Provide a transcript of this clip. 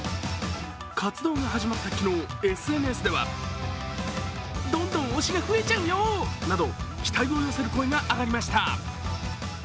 活動が始まった昨日、ＳＮＳでは、期待を寄せる声が上がりました。